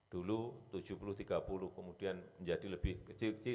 dulu tujuh puluh tiga puluh kemudian menjadi lebih kecil kecil